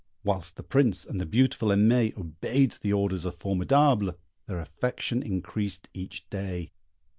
Whilst the Prince and the beautiful Aimée obeyed the orders of Formidable, their affection increased each day.